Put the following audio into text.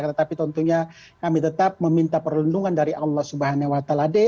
tetapi tentunya kami tetap meminta perlindungan dari allah swt